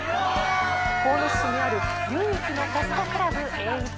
鴻巣市にある唯一のホストクラブエーイチ